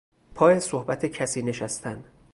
پا صحبت کسی نشستن